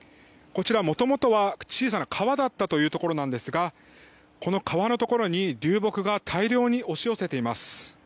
こちら、もともとは小さな川だったというところだったんですがこの川のところに流木が大量に押し寄せています。